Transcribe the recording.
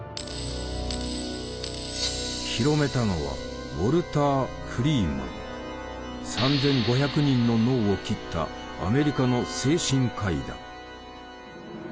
広めたのは３，５００人の脳を切ったアメリカの精神科医だ。